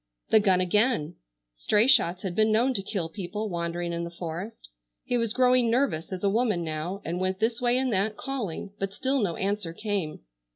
The gun again! Stray shots had been known to kill people wandering in the forest. He was growing nervous as a woman now, and went this way and that calling, but still no answer came.